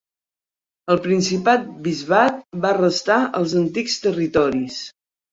El principat-bisbat va restar als antics territoris.